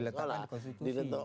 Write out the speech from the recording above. diletakkan di konstitusi